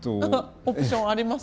オプションあります？